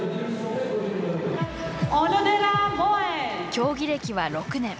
競技歴は６年。